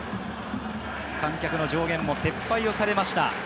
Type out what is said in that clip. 観客の上限も撤廃されました、